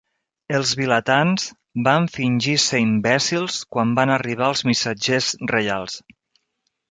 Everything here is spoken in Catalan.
Els vilatans van fingir ser imbècils quan van arribar els missatgers reials.